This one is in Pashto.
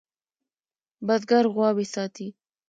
بزگر غواوې ساتي.